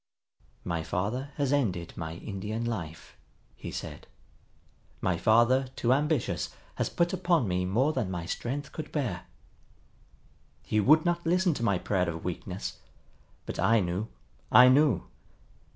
"My father has ended my Indian life," he said. "My father, too ambitious, has put upon me more than my strength could bear. He would not listen to my prayer of weakness. But I knew, I knew!